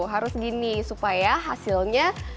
harus gini supaya hasilnya